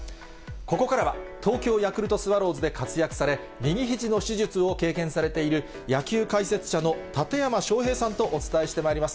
ここからは、東京ヤクルトスワローズで活躍され、右ひじの手術を経験されている、野球解説者の館山昌平さんとお伝えしてまいります。